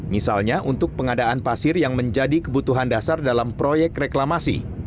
misalnya untuk pengadaan pasir yang menjadi kebutuhan dasar dalam proyek reklamasi